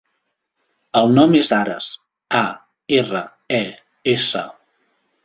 El nom és Ares: a, erra, e, essa.